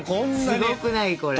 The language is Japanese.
すごくないこれ。